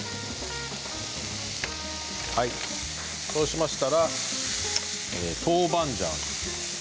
そうしましたら豆板醤。